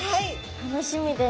楽しみです。